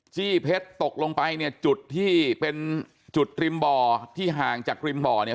เพชรตกลงไปเนี่ยจุดที่เป็นจุดริมบ่อที่ห่างจากริมบ่อเนี่ย